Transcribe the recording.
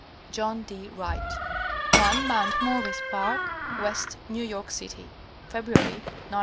JOHN D. WRIGHT. 1 Mount Morris Park, West, New York City. February, 1915.